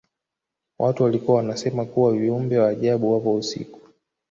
Watu walikuwa wanasema kuwa viumbe wa ajabu wapo usiku